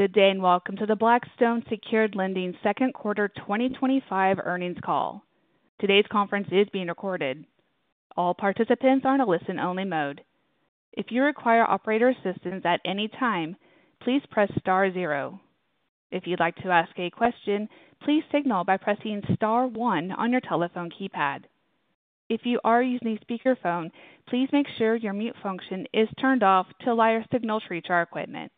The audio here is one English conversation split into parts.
Good day and welcome to the Blackstone Secured Lending Fund Second Quarter 2025 Earnings Call. Today's conference is being recorded. All participants are in a listen-only mode. If you require operator assistance at any time, please press star zero. If you'd like to ask a question, please signal by pressing star one on your telephone keypad. If you are using a speaker phone, please make sure your mute function is turned off to allow your signal to reach our equipment.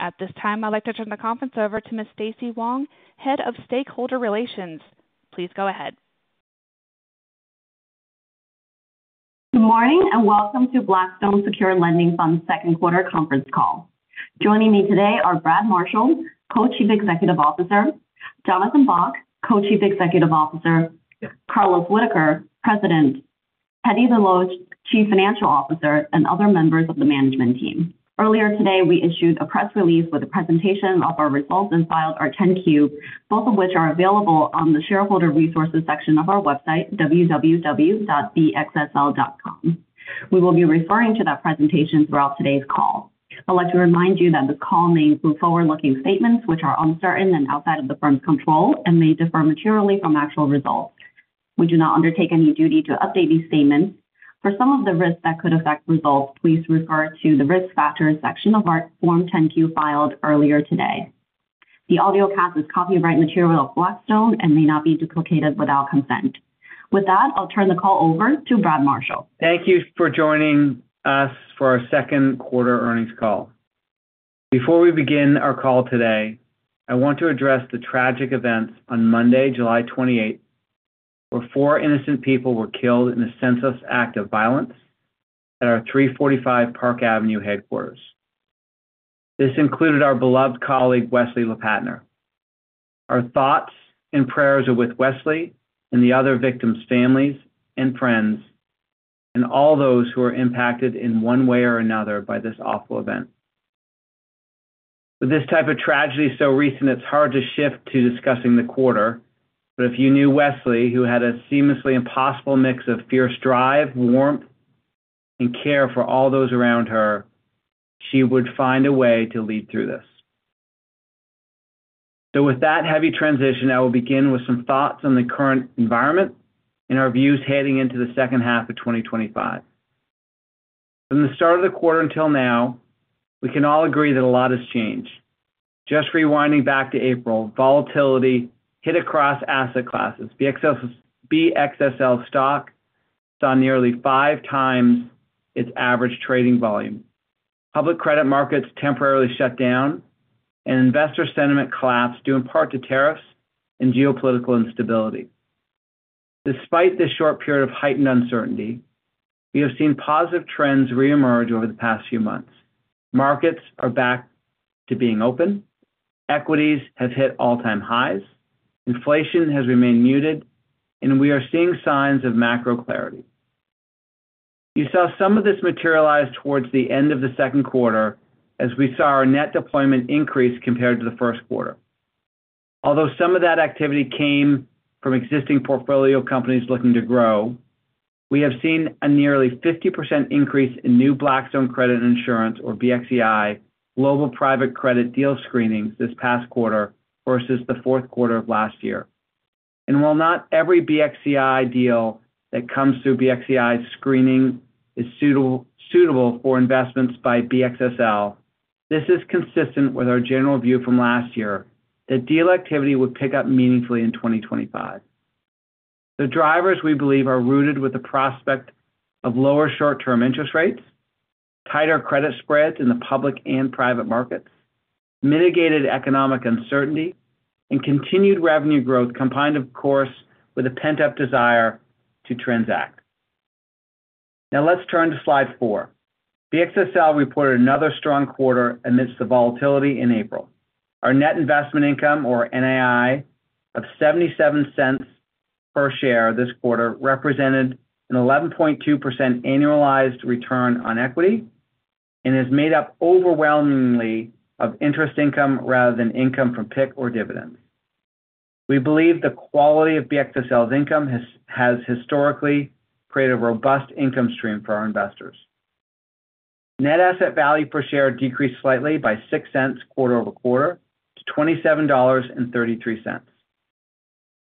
At this time, I'd like to turn the conference over to Ms. Stacy Wang, Head of Stakeholder Relations. Please go ahead. Good morning and welcome to Blackstone Secured Lending Fund's Second Quarter Conference Call. Joining me today are Brad Marshall, Co-Chief Executive Officer; Jonathan Bock, Co-Chief Executive Officer; Carlos Whitaker, President; Teddy Desloge, Chief Financial Officer; and other members of the management team. Earlier today, we issued a press release with a presentation of our results and filed our Form 10-Q, both of which are available on the Shareholder Resources section of our website, www.bxsl.com. We will be referring to that presentation throughout today's call. I'd like to remind you that this call may include forward-looking statements, which are uncertain and outside of the firm's control and may differ materially from actual results. We do not undertake any duty to update these statements. For some of the risks that could affect results, please refer to the Risk Factors section of our Form 10-Q filed earlier today. The audio path is copyright material of Blackstone and may not be duplicated without consent. With that, I'll turn the call over to Brad Marshall. Thank you for joining us for our Second Quarter Earnings Call. Before we begin our call today, I want to address the tragic events on Monday, July 28th, where four innocent people were killed in a senseless act of violence at our 345 Park Avenue headquarters. This included our beloved colleague Wesley Lopatner. Our thoughts and prayers are with Wesley and the other victims' families and friends, and all those who are impacted in one way or another by this awful event. With this type of tragedy so recent, it's hard to shift to discussing the quarter. If you knew Wesley, who had a seamlessly impossible mix of fierce drive, warmth, and care for all those around her, she would find a way to lead through this. With that heavy transition, I will begin with some thoughts on the current environment and our views heading into the second half of 2025. From the start of the quarter until now, we can all agree that a lot has changed. Just rewinding back to April, volatility hit across asset classes. The BXSL stock is down nearly 5x its average trading volume. Public credit markets temporarily shut down, and investor sentiment collapsed due in part to tariffs and geopolitical instability. Despite this short period of heightened uncertainty, we have seen positive trends reemerge over the past few months. Markets are back to being open, equities have hit all-time highs, inflation has remained muted, and we are seeing signs of macro clarity. You saw some of this materialize towards the end of the second quarter, as we saw our net deployment increase compared to the first quarter. Although some of that activity came from existing portfolio companies looking to grow, we have seen a nearly 50% increase in new Blackstone Credit and Insurance, or BXCI, global private credit deal screenings this past quarter versus the fourth quarter of last year. While not every BXCI deal that comes through BXCI's screening is suitable for investments by BXSL, this is consistent with our general view from last year that deal activity would pick up meaningfully in 2025. The drivers we believe are rooted with the prospect of lower short-term interest rates, tighter credit spreads in the public and private markets, mitigated economic uncertainty, and continued revenue growth, combined, of course, with a pent-up desire to transact. Now let's turn to slide four. BXSL reported another strong quarter amidst the volatility in April. Our net investment income, or NII, of $0.77 per share this quarter represented an 11.2% annualized return on equity and is made up overwhelmingly of interest income rather than income from PIT or dividends. We believe the quality of BXSL's income has historically created a robust income stream for our investors. Net asset value per share decreased slightly by $0.06 quarter-over-quarter to $27.33.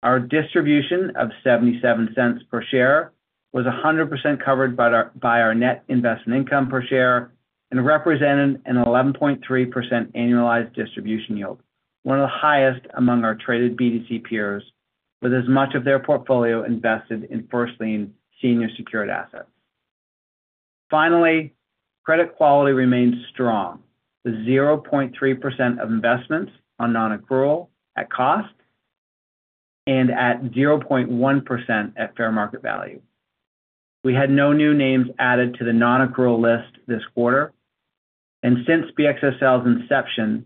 Our distribution of $0.77 per share was 100% covered by our net investment income per share and represented an 11.3% annualized distribution yield, one of the highest among our traded BDC peers, with as much of their portfolio invested in first-lien senior secured assets. Finally, credit quality remained strong with 0.3% of investments on nonaccrual at cost and at 0.1% at fair market value. We had no new names added to the nonaccrual list this quarter, and since BXSL's inception,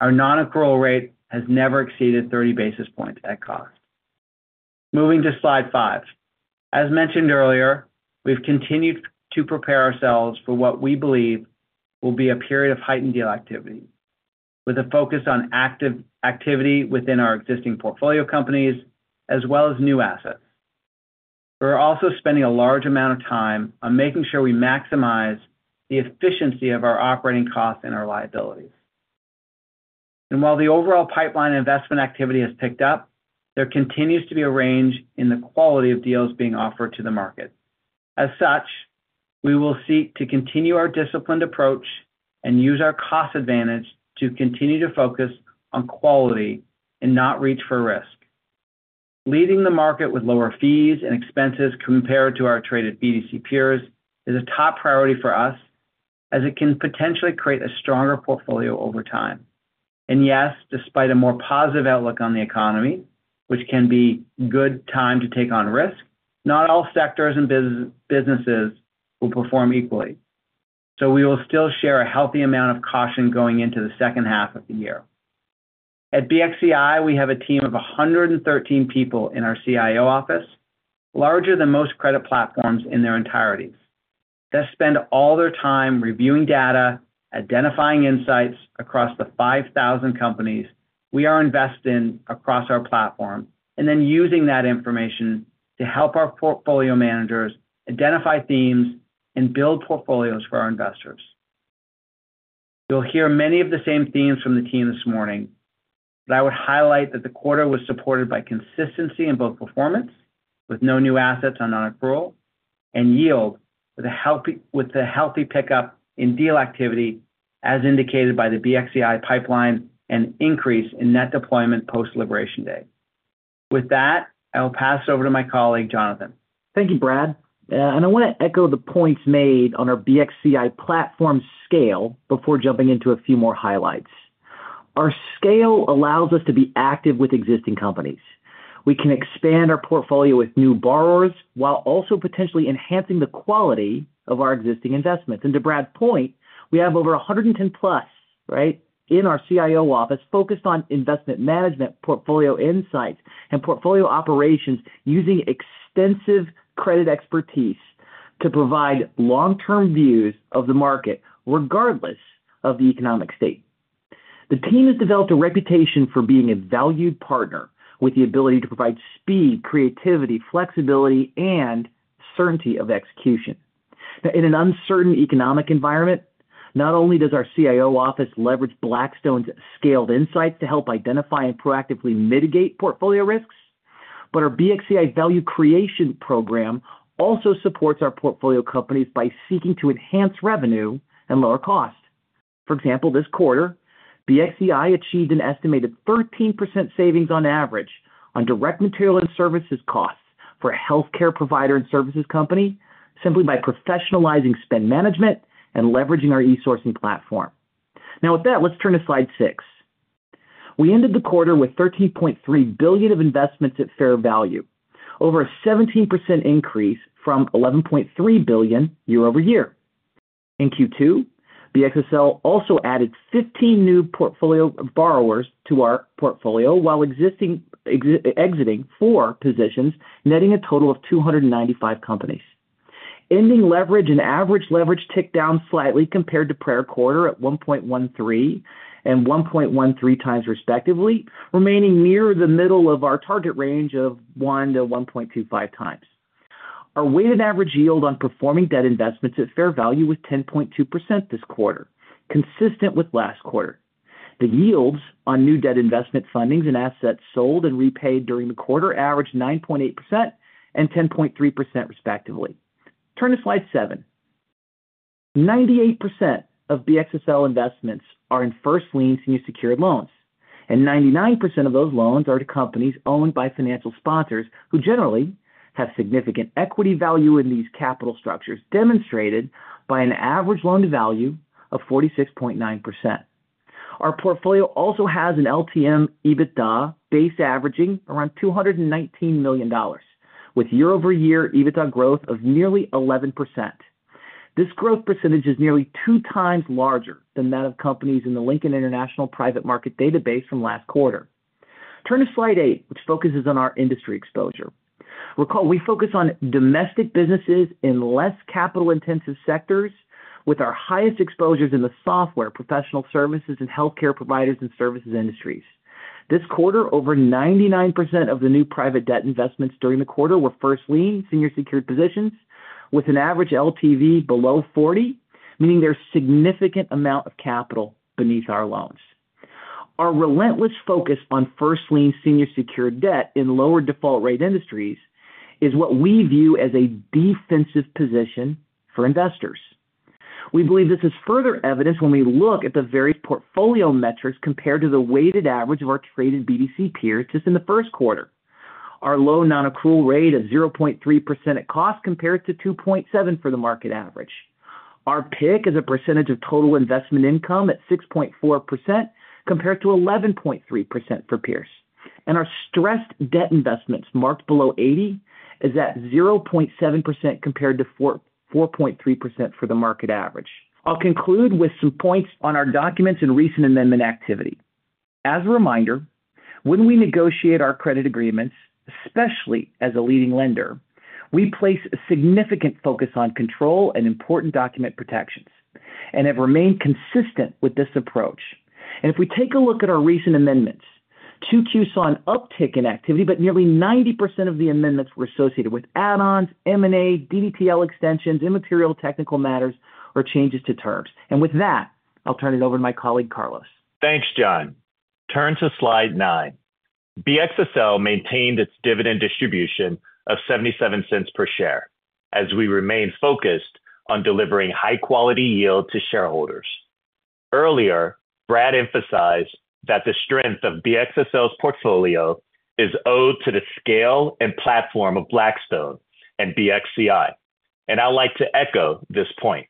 our nonaccrual rate has never exceeded 30 basis points at cost. Moving to slide five. As mentioned earlier, we've continued to prepare ourselves for what we believe will be a period of heightened deal activity, with a focus on active activity within our existing portfolio companies as well as new assets. We're also spending a large amount of time on making sure we maximize the efficiency of our operating costs and our liabilities. While the overall pipeline investment activity has picked up, there continues to be a range in the quality of deals being offered to the market. As such, we will seek to continue our disciplined approach and use our cost advantage to continue to focus on quality and not reach for risk. Leading the market with lower fees and expenses compared to our traded BDC peers is a top priority for us, as it can potentially create a stronger portfolio over time. Despite a more positive outlook on the economy, which can be a good time to take on risk, not all sectors and businesses will perform equally. We will still share a healthy amount of caution going into the second half of the year. At BXCI, we have a team of 113 people in our CIO office, larger than most credit platforms in their entireties. They spend all their time reviewing data, identifying insights across the 5,000 companies we are invested in across our platform, and then using that information to help our portfolio managers identify themes and build portfolios for our investors. You'll hear many of the same themes from the team this morning, but I would highlight that the quarter was supported by consistency in both performance, with no new assets on nonaccrual, and yield with a healthy pickup in deal activity, as indicated by the BXCI pipeline and increase in net deployment post-Liberation Day. With that, I'll pass it over to my colleague Jonathan. Thank you, Brad. I want to echo the points made on our BXCI platform scale before jumping into a few more highlights. Our scale allows us to be active with existing companies. We can expand our portfolio with new borrowers while also potentially enhancing the quality of our existing investments. To Brad's point, we have over 110+ in our CIO office focused on investment management, portfolio insights, and portfolio operations using extensive credit expertise to provide long-term views of the market, regardless of the economic state. The team has developed a reputation for being a valued partner with the ability to provide speed, creativity, flexibility, and certainty of execution. Now, in an uncertain economic environment, not only does our CIO office leverage Blackstone's scaled insights to help identify and proactively mitigate portfolio risks, but our BXCI Value Creation Program also supports our portfolio companies by seeking to enhance revenue and lower cost. For example, this quarter, BXCI achieved an estimated 13% savings on average on direct material and services costs for a healthcare provider and services company simply by professionalizing spend management and leveraging our e-sourcing platform. With that, let's turn to slide six. We ended the quarter with $13.3 billion of investments at fair value, over a 17% increase from $11.3 billion year-over-year. In Q2, BXSL also added 15 new portfolio for borrowers to our portfolio while exiting four positions, netting a total of 295 companies. Ending leverage and average leverage ticked down slightly compared to prior quarter at 1.13 and 1.13x respectively, remaining near the middle of our target range of 1 to 1.25x. Our weighted average yield on performing debt investments at fair value was 10.2% this quarter, consistent with last quarter. The yields on new debt investment fundings and assets sold and repaid during the quarter averaged 9.8% and 10.3% respectively. Turn to slide seven. 98% of BXSL investments are in first-lien senior secured loans, and 99% of those loans are to companies owned by financial sponsors who generally have significant equity value in these capital structures, demonstrated by an average loan-to-value of 46.9%. Our portfolio also has an LTM EBITDA-based averaging around $219 million, with year-over-year EBITDA growth of nearly 11%. This growth percentage is nearly two times larger than that of companies in the Lincoln International Private Market Database from last quarter. Turn to slide eight, which focuses on our industry exposure. Recall we focus on domestic businesses in less capital-intensive sectors, with our highest exposures in the software, professional services, and healthcare providers and services industries. This quarter, over 99% of the new private debt investments during the quarter were first-lien senior secured positions, with an average LTV below 40%, meaning there's a significant amount of capital beneath our loans. Our relentless focus on first-lien senior secured debt in lower default rate industries is what we view as a defensive position for investors. We believe this is further evidenced when we look at the various portfolio metrics compared to the weighted average of our traded BDC peers just in the first quarter. Our low nonaccrual rate of 0.3% at cost compared to 2.7% for the market average. Our PIT as a percentage of total investment income at 6.4% compared to 11.3% for peers. Our stressed debt investments marked below 80% is at 0.7% compared to 4.3% for the market average. I'll conclude with some points on our documents and recent amendment activity. As a reminder, when we negotiate our credit agreements, especially as a leading lender, we place a significant focus on control and important document protections and have remained consistent with this approach. If we take a look at our recent amendments, Q2 saw an uptick in activity, but nearly 90% of the amendments were associated with add-ons, M&A-driven financings, DDTL extensions, immaterial technical matters, or changes to terms. With that, I'll turn it over to my colleague Carlos. Thanks, Jon. Turn to slide nine. BXSL maintained its dividend distribution of $0.77 per share as we remained focused on delivering high-quality yield to shareholders. Earlier, Brad emphasized that the strength of BXSL's portfolio is owed to the scale and platform of Blackstone and BXCI, and I'd like to echo this point.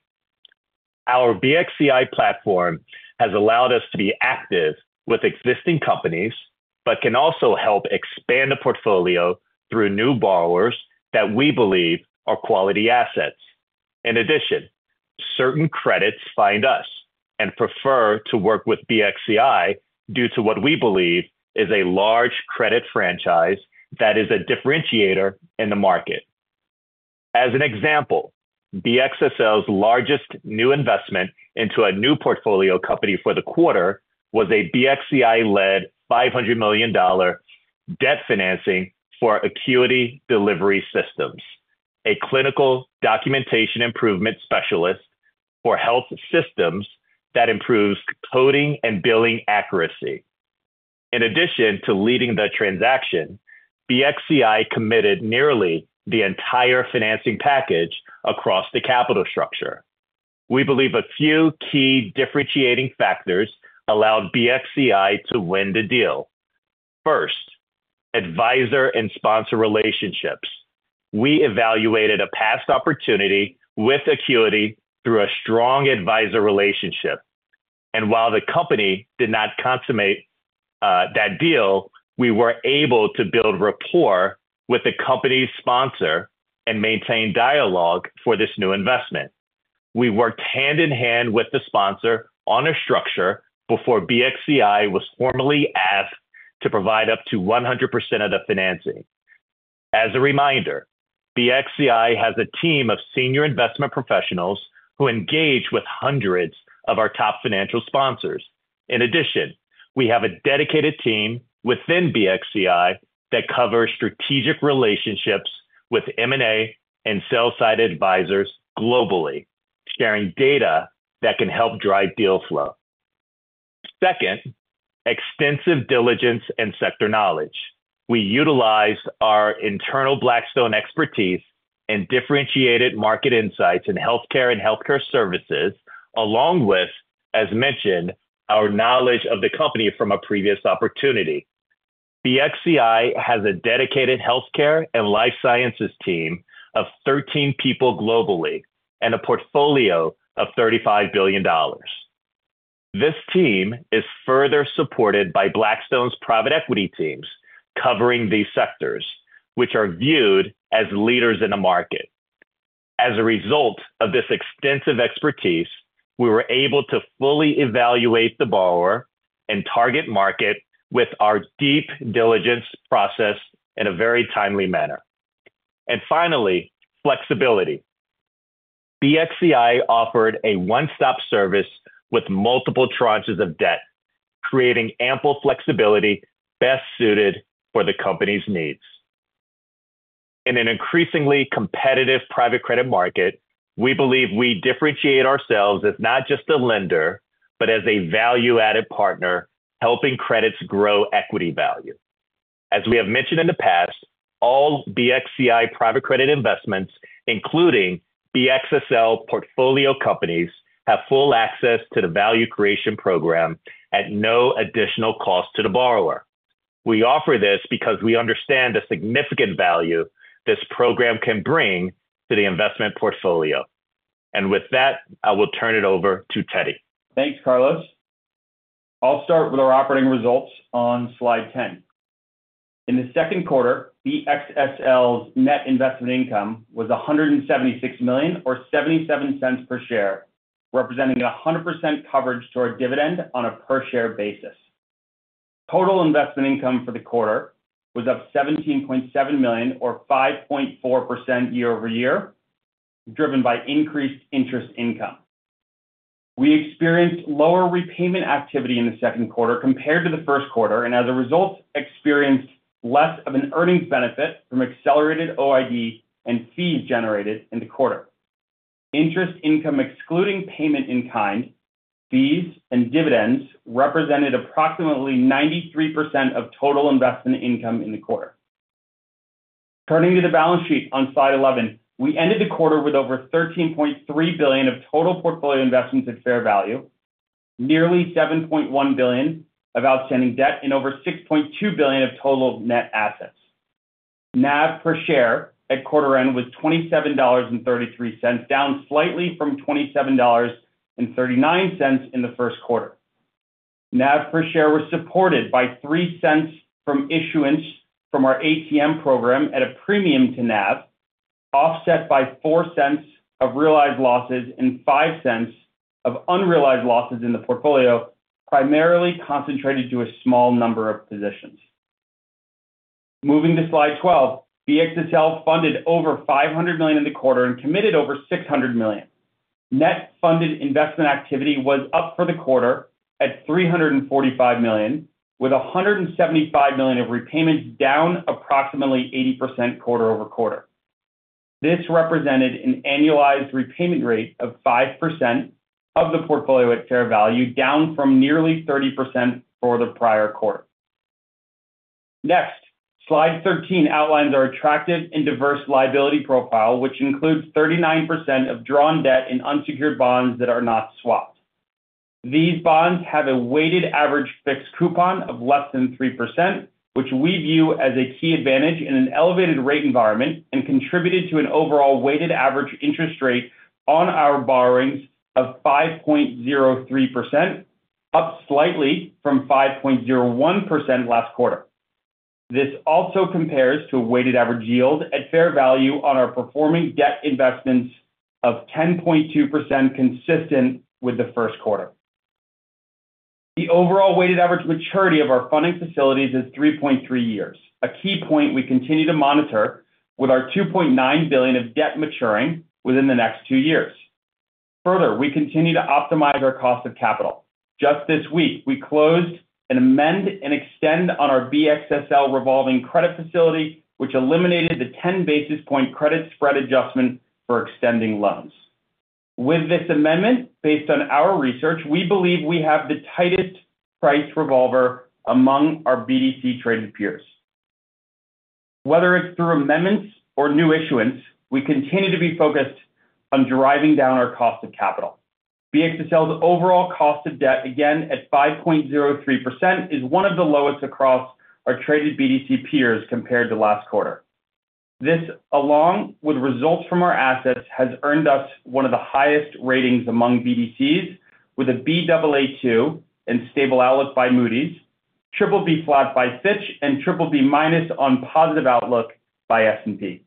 Our BXCI platform has allowed us to be active with existing companies, but can also help expand the portfolio through new borrowers that we believe are quality assets. In addition, certain credits find us and prefer to work with BXCI due to what we believe is a large credit franchise that is a differentiator in the market. As an example, BXSL's largest new investment into a new portfolio company for the quarter was a BXCI-led $500 million debt financing for Acuity Delivery Systems, a clinical documentation improvement specialist for health systems that improves coding and billing accuracy. In addition to leading the transaction, BXCI committed nearly the entire financing package across the capital structure. We believe a few key differentiating factors allowed BXCI to win the deal. First, advisor and sponsor relationships. We evaluated a past opportunity with Acuity through a strong advisor relationship, and while the company did not consummate that deal, we were able to build rapport with the company's sponsor and maintain dialogue for this new investment. We worked hand in hand with the sponsor on a structure before BXCI was formally asked to provide up to 100% of the financing. As a reminder, BXCI has a team of senior investment professionals who engage with hundreds of our top financial sponsors. In addition, we have a dedicated team within BXCI that covers strategic relationships with M&A and sell-side advisors globally, sharing data that can help drive deal flow. Second, extensive diligence and sector knowledge. We utilized our internal Blackstone expertise and differentiated market insights in healthcare and healthcare services, along with, as mentioned, our knowledge of the company from a previous opportunity. BXCI has a dedicated healthcare and life sciences team of 13 people globally and a portfolio of $35 billion. This team is further supported by Blackstone's private equity teams covering these sectors, which are viewed as leaders in the market. As a result of this extensive expertise, we were able to fully evaluate the borrower and target market with our deep diligence process in a very timely manner. Finally, flexibility. BXCI offered a one-stop service with multiple tranches of debt, creating ample flexibility best suited for the company's needs. In an increasingly competitive private credit market, we believe we differentiate ourselves as not just a lender, but as a value-added partner helping credits grow equity value. As we have mentioned in the past, all BXCI private credit investments, including BXSL portfolio companies, have full access to the Value Creation Program at no additional cost to the borrower. We offer this because we understand the significant value this program can bring to the investment portfolio. With that, I will turn it over to Teddy. Thanks, Carlos. I'll start with our operating results on slide 10. In the second quarter, BXSL's net investment income was $176 million or $0.77 per share, representing 100% coverage to our dividend on a per-share basis. Total investment income for the quarter was up $17.7 million or 5.4% year-over-year, driven by increased interest income. We experienced lower repayment activity in the second quarter compared to the first quarter, and as a result, experienced less of an earnings benefit from accelerated OID and fees generated in the quarter. Interest income, excluding payment in kind, fees and dividends, represented approximately 93% of total investment income in the quarter. Turning to the balance sheet on slide 11, we ended the quarter with over $13.3 billion of total portfolio investments at fair value, nearly $7.1 billion of outstanding debt, and over $6.2 billion of total net assets. NAV per share at quarter end was $27.33, down slightly from $27.39 in the first quarter. NAV per share was supported by $0.03 from issuance from our ATM program at a premium to NAV, offset by $0.04 of realized losses and $0.05 of unrealized losses in the portfolio, primarily concentrated to a small number of positions. Moving to slide 12. BXSL funded over $500 million in the quarter and committed over $600 million. Net funded investment activity was up for the quarter at $345 million, with $175 million of repayments down approximately 80% quarter-over-quarter. This represented an annualized repayment rate of 5% of the portfolio at fair value, down from nearly 30% for the prior quarter. Next, slide 13 outlines our attractive and diverse liability profile, which includes 39% of drawn debt in unsecured bonds that are not swapped. These bonds have a weighted average fixed coupon of less than 3%, which we view as a key advantage in an elevated rate environment and contributed to an overall weighted average interest rate on our borrowings of 5.03%, up slightly from 5.01% last quarter. This also compares to a weighted average yield at fair value on our performing debt investments of 10.2%, consistent with the first quarter. The overall weighted average maturity of our funding facilities is 3.3 years, a key point we continue to monitor with our $2.9 billion of debt maturing within the next two years. Further, we continue to optimize our cost of capital. Just this week, we closed and amended and extended on our BXSL revolving credit facility, which eliminated the 10 bps credit spread adjustment for extending loans. With this amendment, based on our research, we believe we have the tightest price revolver among our BDC traded peers. Whether it's through amendments or new issuance, we continue to be focused on driving down our cost of capital. BXSL's overall cost of debt, again at 5.03%, is one of the lowest across our traded BDC peers compared to last quarter. This, along with results from our assets, has earned us one of the highest ratings among BDCs, with a Baa2 and stable outlook by Moody's, BBB flat by Fitch, and BBB- on positive outlook by S&P.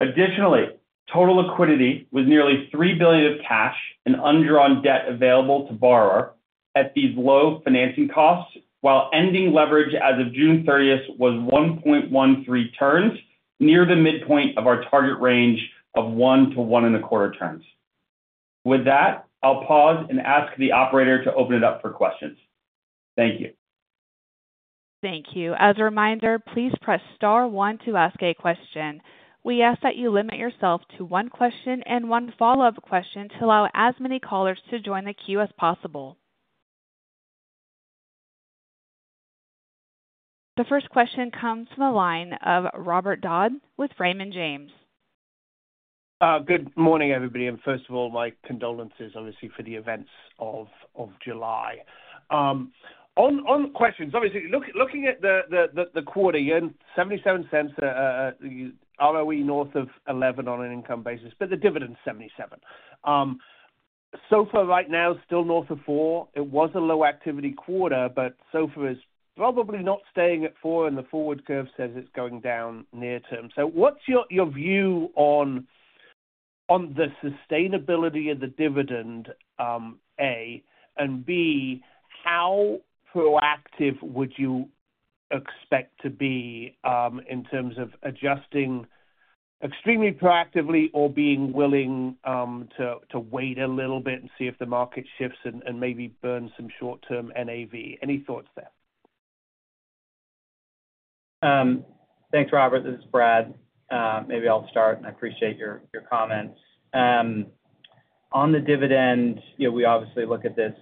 Additionally, total liquidity was nearly $3 billion of cash and undrawn debt available to borrow at these low financing costs, while ending leverage as of June 30th, 2023 was 1.13 turns, near the midpoint of our target range of 1 to 1.25 turns. With that, I'll pause and ask the operator to open it up for questions. Thank you. Thank you. As a reminder, please press star one to ask a question. We ask that you limit yourself to one question and one follow-up question to allow as many callers to join the queue as possible. The first question comes from a line of Robert Dodd with Raymond James. Good morning, everybody. First of all, my condolences, obviously, for the events of July. On questions, obviously, looking at the quarter, you earned $0.77, ROE north of 11% on an income basis, but the dividend's $0.77. So far right now, still north of 4%. It was a low activity quarter, but so far it's probably not staying at 4%, and the forward curve says it's going down near term. What's your view on the sustainability of the dividend, A, and B, how proactive would you expect to be in terms of adjusting extremely proactively or being willing to wait a little bit and see if the market shifts and maybe burn some short-term NAV? Any thoughts there? Thanks, Robert. This is Brad. Maybe I'll start. I appreciate your comment. On the dividend, you know, we obviously look at this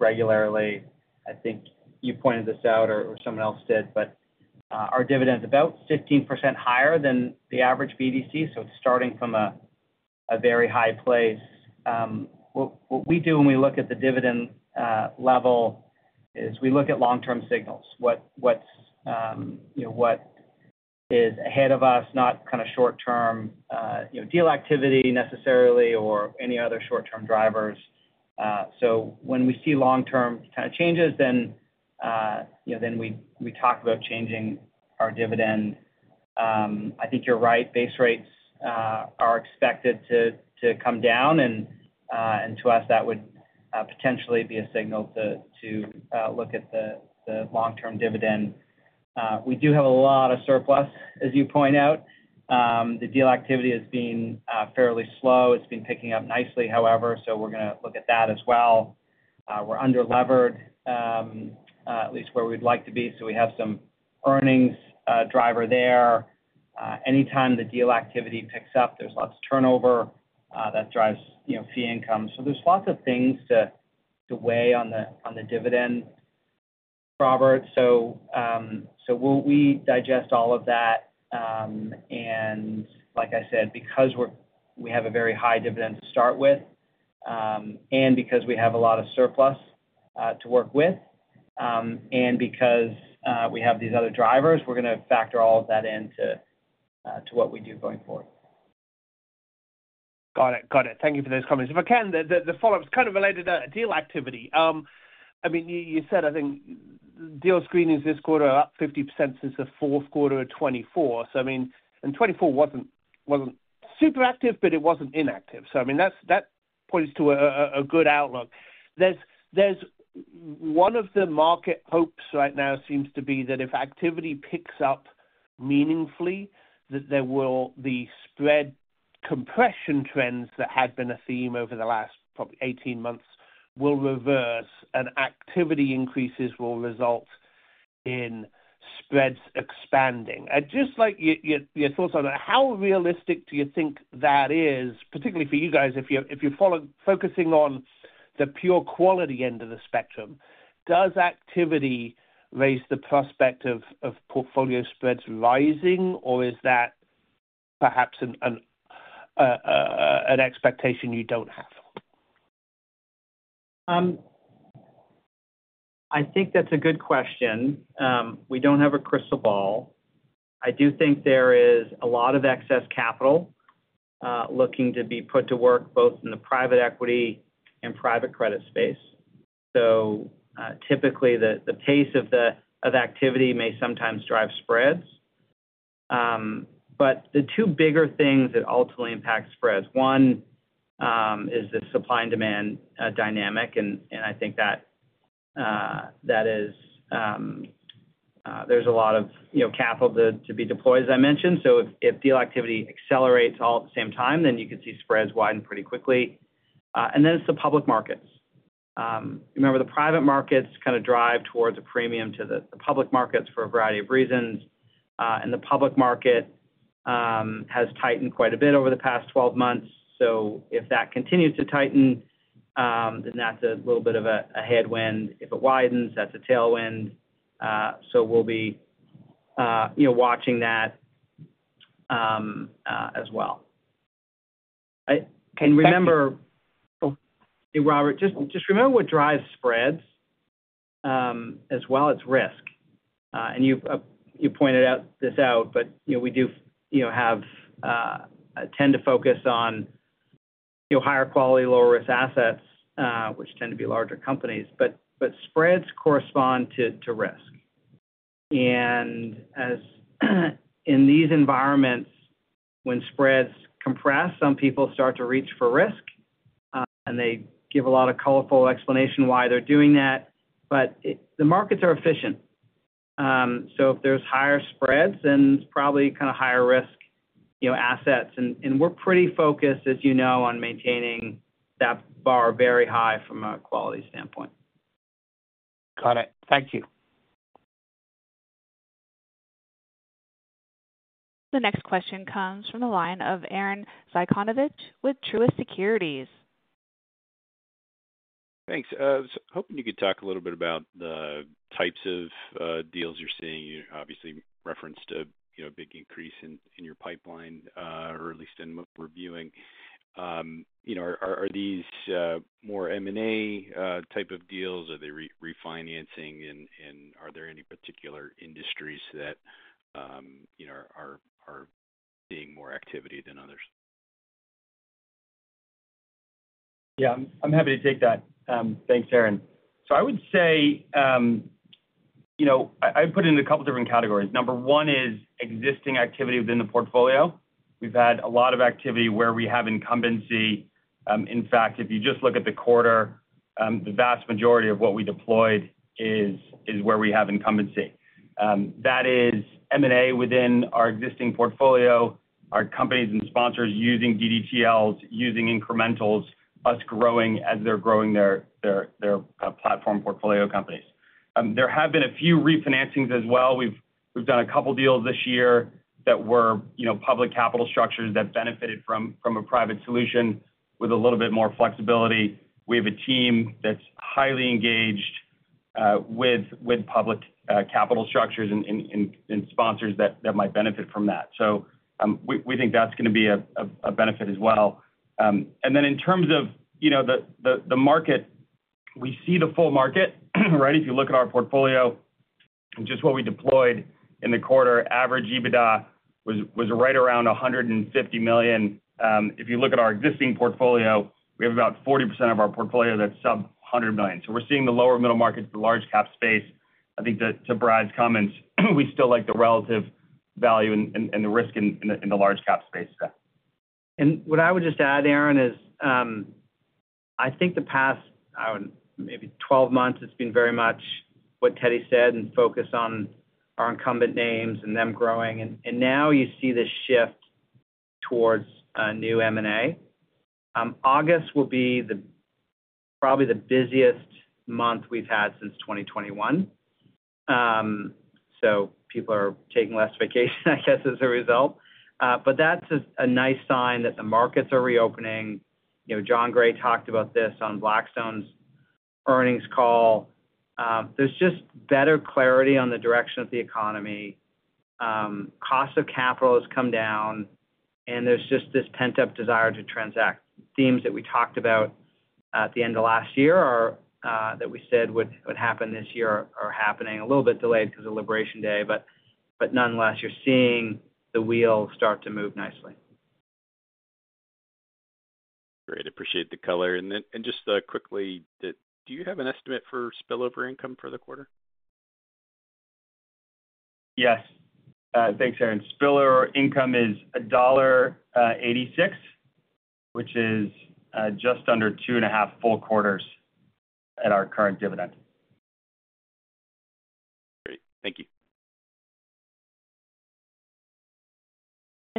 regularly. I think you pointed this out or someone else did, but our dividend is about 15% higher than the average BDC, so it's starting from a very high place. What we do when we look at the dividend level is we look at long-term signals. What is ahead of us, not kind of short-term deal activity necessarily, or any other short-term drivers. When we see long-term kind of changes, then we talk about changing our dividend. I think you're right. Base rates are expected to come down, and to us, that would potentially be a signal to look at the long-term dividend. We do have a lot of surplus, as you point out. The deal activity has been fairly slow. It's been picking up nicely, however, so we're going to look at that as well. We're under-levered, at least where we'd like to be, so we have some earnings driver there. Anytime the deal activity picks up, there's lots of turnover that drives fee income. There are lots of things to weigh on the dividend, Robert. We digest all of that, and like I said, because we have a very high dividend to start with and because we have a lot of surplus to work with and because we have these other drivers, we're going to factor all of that into what we do going forward. Got it. Thank you for those comments. The follow-up is kind of related to deal activity. You said, I think deal screenings this quarter are up 50% since the fourth quarter of 2024. 2024 wasn't super active, but it wasn't inactive. That points to a good outlook. One of the market hopes right now seems to be that if activity picks up meaningfully, there will be spread compression trends that had been a theme over the last probably 18 months will reverse, and activity increases will result in spreads expanding. Just like your thoughts on that, how realistic do you think that is, particularly for you guys, if you're focusing on the pure quality end of the spectrum? Does activity raise the prospect of portfolio spreads rising, or is that perhaps an expectation you don't have? I think that's a good question. We don't have a crystal ball. I do think there is a lot of excess capital looking to be put to work both in the private equity and private credit space. Typically, the pace of activity may sometimes drive spreads. The two bigger things that ultimately impact spreads, one is the supply and demand dynamic, and I think that there's a lot of capital to be deployed, as I mentioned. If deal activity accelerates all at the same time, then you could see spreads widen pretty quickly. It's the public markets. Remember, the private markets kind of drive towards a premium to the public markets for a variety of reasons, and the public market has tightened quite a bit over the past 12 months. If that continues to tighten, then that's a little bit of a headwind. If it widens, that's a tailwind. We'll be watching that as well. Remember, Robert, just remember what drives spreads as well it's risk. You pointed this out, but we do tend to focus on higher quality, lower risk assets, which tend to be larger companies, but spreads correspond to risk. In these environments, when spreads compress, some people start to reach for risk, and they give a lot of colorful explanation why they're doing that, but the markets are efficient. If there's higher spreads, then it's probably kind of higher risk assets. We're pretty focused, as you know, on maintaining that bar very high from a quality standpoint. Got it. Thank you. The next question comes from a line of Arren Cyganovic with Truist Securities. Thanks. I was hoping you could talk a little bit about the types of deals you're seeing. You obviously referenced a big increase in your pipeline, or at least in reviewing. Are these more M&A type of deals? Are they refinancing? Are there any particular industries that are seeing more activity than others? Yeah, I'm happy to take that. Thanks, Arren. I would say, you know, I put it into a couple of different categories. Number one is existing activity within the portfolio. We've had a lot of activity where we have incumbency. In fact, if you just look at the quarter, the vast majority of what we deployed is where we have incumbency. That is M&A within our existing portfolio, our companies and sponsors using DDTLs, using incrementals, us growing as they're growing their platform portfolio companies. There have been a few refinancings as well. We've done a couple of deals this year that were public capital structures that benefited from a private solution with a little bit more flexibility. We have a team that's highly engaged with public capital structures and sponsors that might benefit from that. We think that's going to be a benefit as well. In terms of the market, we see the full market, right? If you look at our portfolio, just what we deployed in the quarter, average EBITDA was right around $150 million. If you look at our existing portfolio, we have about 40% of our portfolio that's sub $100 million. We're seeing the lower middle market for the large cap space. I think to Brad's comments, we still like the relative value and the risk in the large cap space. What I would just add, Aaron, is I think the past, maybe 12 months, it's been very much what Teddy said and focus on our incumbent names and them growing. Now you see this shift towards new M&A. August will be probably the busiest month we've had since 2021. People are taking less vacation, I guess, as a result. That's a nice sign that the markets are reopening. Jon Gray talked about this on Blackstone's earnings call. There's just better clarity on the direction of the economy. Cost of capital has come down, and there's just this pent-up desire to transact. Themes that we talked about at the end of last year that we said would happen this year are happening, a little bit delayed because of Liberation Day, but nonetheless, you're seeing the wheel start to move nicely. Great. Appreciate the color. Do you have an estimate for spillover income for the quarter? Yes. Thanks, Aaron. Spillover income is $1.86, which is just under 2.5 full quarters at our current dividend. Great. Thank you.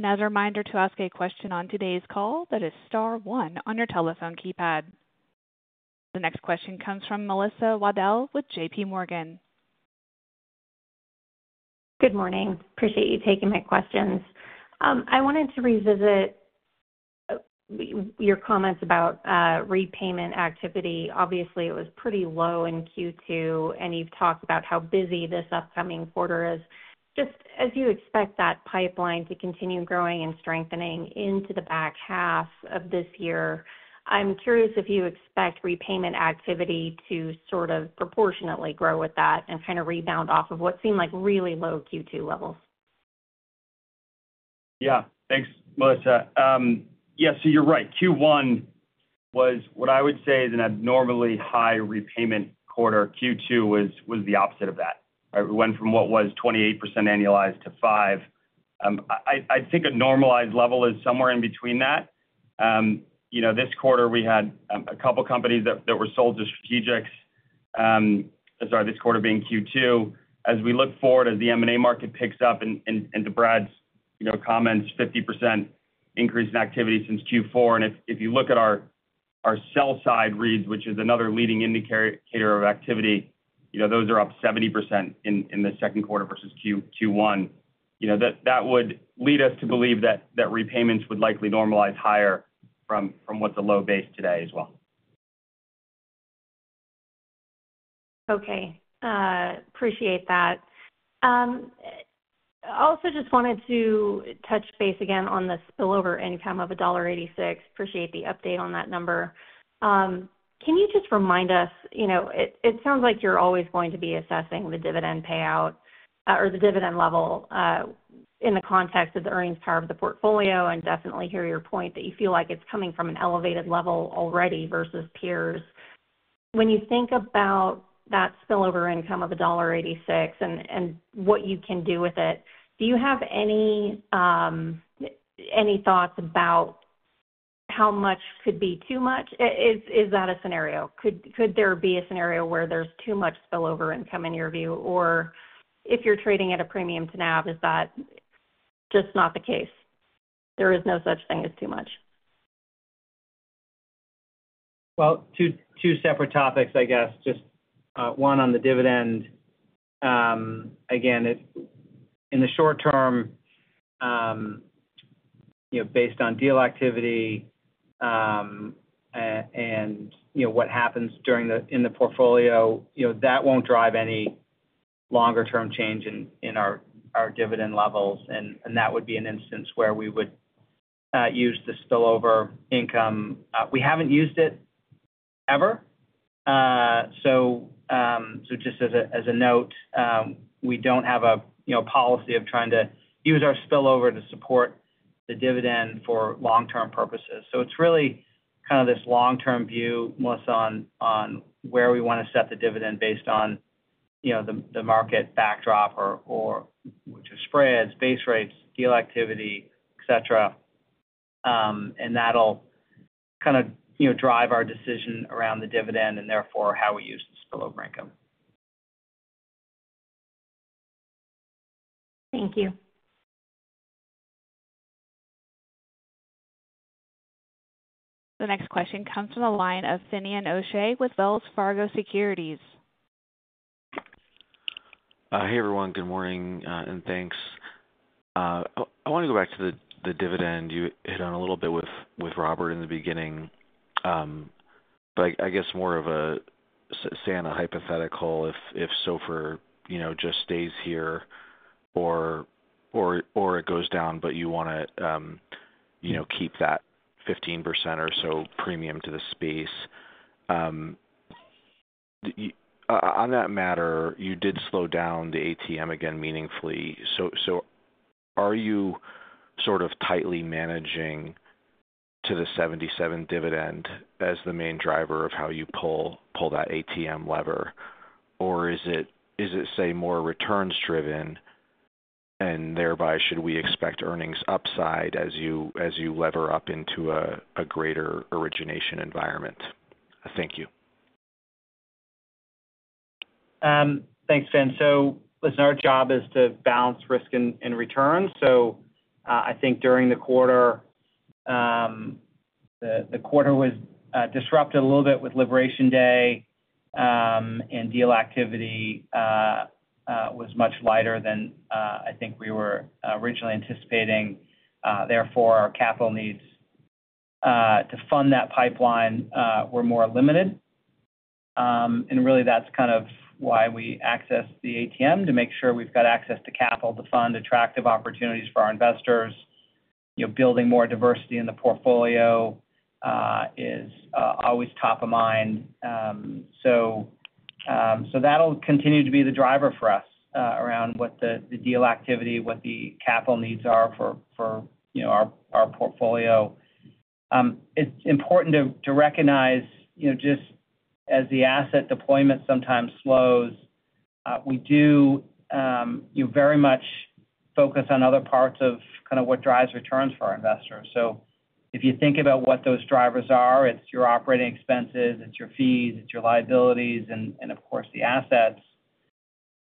As a reminder, to ask a question on today's call, that is star one on your telephone keypad. The next question comes from Melissa Wedel with JP Morgan. Good morning. Appreciate you taking my questions. I wanted to revisit your comments about repayment activity. Obviously, it was pretty low in Q2, and you've talked about how busy this upcoming quarter is. As you expect that pipeline to continue growing and strengthening into the back half of this year, I'm curious if you expect repayment activity to proportionately grow with that and rebound off of what seemed like really low Q2 levels. Yeah. Thanks, Melissa. Yeah, so you're right. Q1 was what I would say is an abnormally high repayment quarter. Q2 was the opposite of that. We went from what was 28% annualized to 5%. I think a normalized level is somewhere in between that. This quarter we had a couple of companies that were sold to strategics. This quarter being Q2. As we look forward, as the M&A market picks up and to Brad's comments, 50% increase in activity since Q4. If you look at our sell-side REITs, which is another leading indicator of activity, those are up 70% in the second quarter versus Q1. That would lead us to believe that repayments would likely normalize higher from what's a low base today as well. Okay. Appreciate that. I also just wanted to touch base again on the spillover income of $1.86. Appreciate the update on that number. Can you just remind us, you know, it sounds like you're always going to be assessing the dividend payout or the dividend level in the context of the earnings power of the portfolio. I definitely hear your point that you feel like it's coming from an elevated level already versus peers. When you think about that spillover income of $1.86 and what you can do with it, do you have any thoughts about how much could be too much? Is that a scenario? Could there be a scenario where there's too much spillover income in your view? If you're trading at a premium to NAV, is that just not the case? There is no such thing as too much. Two separate topics, I guess. Just one on the dividend. Again, in the short term, based on deal activity and what happens in the portfolio, that won't drive any longer-term change in our dividend levels. That would be an instance where we would use the spillover income. We haven't used it ever. Just as a note, we don't have a policy of trying to use our spillover to support the dividend for long-term purposes. It's really kind of this long-term view, Melissa, on where we want to set the dividend based on the market backdrop, which is spreads, base rates, deal activity, et cetera. That'll kind of drive our decision around the dividend and therefore how we use the spillover income. Thank you. The next question comes from a line of Finian O'Shea with Wells Fargo Securities. Hey, everyone. Good morning and thanks. I want to go back to the dividend you hit on a little bit with Robert in the beginning. I guess more of a saying hypothetical if SOFR just stays here or it goes down, but you want to keep that 15% or so premium to the space. On that matter, you did slow down the ATM again meaningfully. Are you sort of tightly managing to the $0.77 dividend as the main driver of how you pull that ATM lever, or is it more returns driven and thereby should we expect earnings upside as you lever up into a greater origination environment? Thank you. Thanks, Finn. Our job is to balance risk and return. During the quarter, the quarter was disrupted a little bit with Liberation Day, and deal activity was much lighter than we were originally anticipating. Therefore, our capital needs to fund that pipeline were more limited. That's kind of why we access the ATM to make sure we've got access to capital to fund attractive opportunities for our investors. Building more diversity in the portfolio is always top of mind. That will continue to be the driver for us around what the deal activity and what the capital needs are for our portfolio. It's important to recognize, just as the asset deployment sometimes slows, we do very much focus on other parts of what drives returns for our investors. If you think about what those drivers are, it's your operating expenses, your fees, your liabilities, and of course, the assets.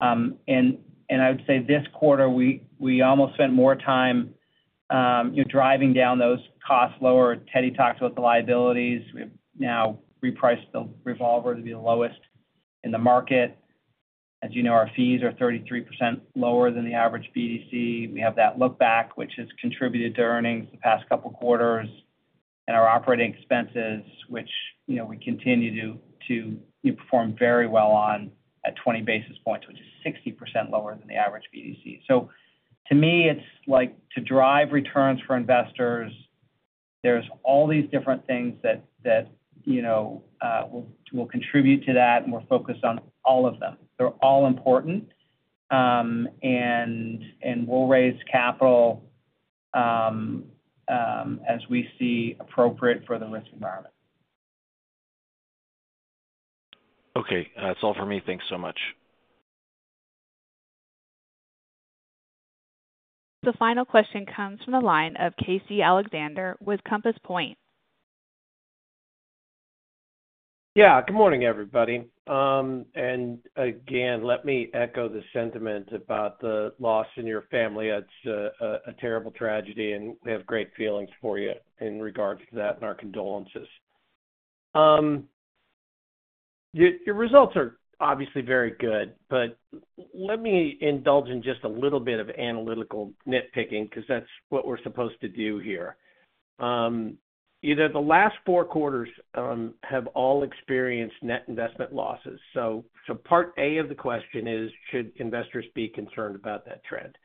I would say this quarter, we almost spent more time driving down those costs lower. Teddy talked about the liabilities. We've now repriced the revolver to be the lowest in the market. As you know, our fees are 33% lower than the average BDC. We have that look back, which has contributed to earnings the past couple of quarters, and our operating expenses, which we continue to perform very well on at 20 basis points, which is 60% lower than the average BDC. To me, to drive returns for investors, there are all these different things that will contribute to that, and we're focused on all of them. They're all important, and we'll raise capital as we see appropriate for the risk environment. Okay, that's all for me. Thanks so much. The final question comes from a line of Casey Alexander with Compass Point. Yeah. Good morning, everybody. Again, let me echo the sentiment about the loss in your family. That's a terrible tragedy, and we have great feelings for you in regards to that and our condolences. Your results are obviously very good, but let me indulge in just a little bit of analytical nitpicking because that's what we're supposed to do here. The last four quarters have all experienced net investment losses. Part A of the question is, should investors be concerned about that trend?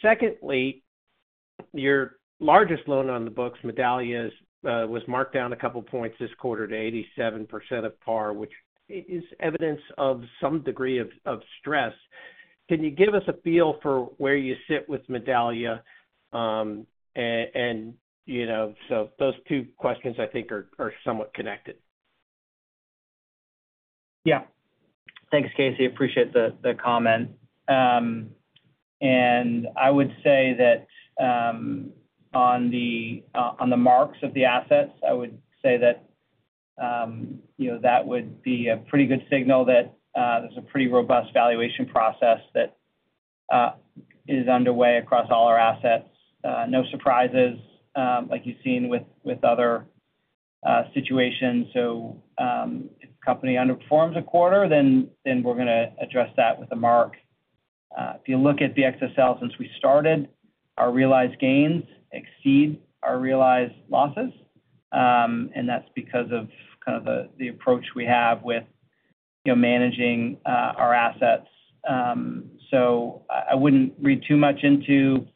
Secondly, your largest loan on the books, Medallia, was marked down a couple of points this quarter to 87% of par, which is evidence of some degree of stress. Can you give us a feel for where you sit with Medallia? Those two questions, I think, are somewhat connected. Yeah. Thanks, Casey. Appreciate the comment. I would say that on the marks of the assets, that would be a pretty good signal that there's a pretty robust valuation process that is underway across all our assets. No surprises, like you've seen with other situations. If the company underperforms a quarter, then we're going to address that with a mark. If you look at BXSL, since we started, our realized gains exceed our realized losses, and that's because of kind of the approach we have with managing our assets. I wouldn't read too much into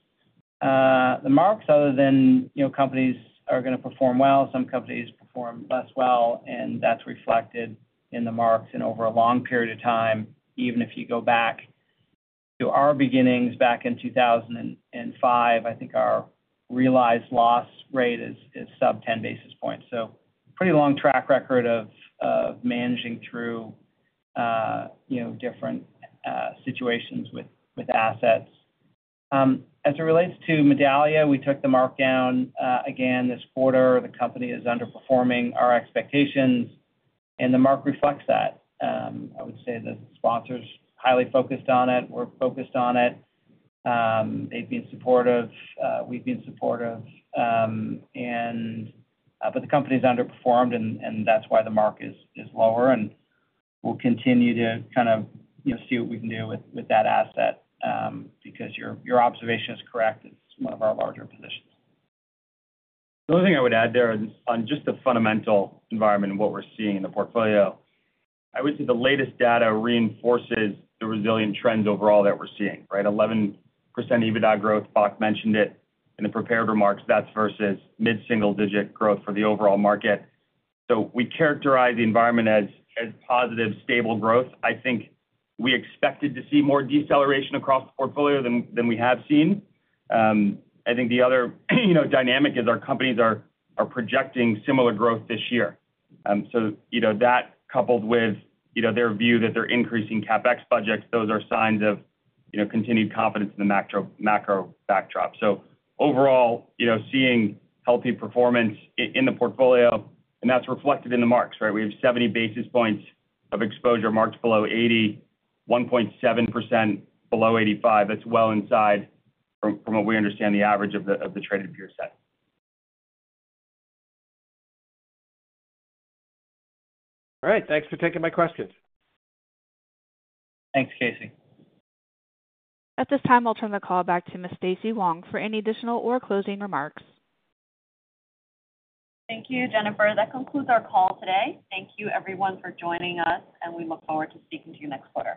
the marks other than companies are going to perform well. Some companies perform less well, and that's reflected in the marks. Over a long period of time, even if you go back to our beginnings back in 2005, I think our realized loss rate is sub 10 basis points. Pretty long track record of managing through different situations with assets. As it relates to Medallia, we took the mark down again this quarter. The company is underperforming our expectations, and the mark reflects that. I would say that the sponsors are highly focused on it. We're focused on it. They've been supportive. We've been supportive. The company's underperformed, and that's why the mark is lower. We'll continue to kind of see what we can do with that asset because your observation is correct. It's one of our larger positions. The only thing I would add there on just the fundamental environment and what we're seeing in the portfolio, I would say the latest data reinforces the resilient trends overall that we're seeing, right? 11% EBITDA growth, Bock mentioned it in the prepared remarks. That's versus mid-single-digit growth for the overall market. We characterize the environment as positive, stable growth. I think we expected to see more deceleration across the portfolio than we have seen. The other dynamic is our companies are projecting similar growth this year. That, coupled with their view that they're increasing CapEx budgets, are signs of continued confidence in the macro backdrop. Overall, seeing healthy performance in the portfolio, and that's reflected in the marks, right? We have 70 basis points of exposure, marks below 80, 1.7% below 85. That's well inside from what we understand the average of the traded peer set. All right. Thanks for taking my questions. Thanks, Casey. At this time, I'll turn the call back to Ms. Stacy Wang for any additional or closing remarks. Thank you, Jennifer. That concludes our call today. Thank you, everyone, for joining us, and we look forward to speaking to you next quarter.